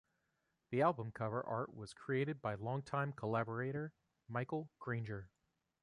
The album cover art was created by long-time collaborator Michel Granger.